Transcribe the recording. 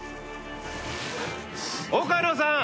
岡野さん。